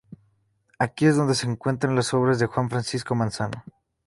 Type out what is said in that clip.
Aquí es donde se encuentra las obras de Juan Francisco Manzano.